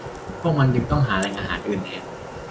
พวกมันจึงต้องหาแหล่งอาหารอื่นแทน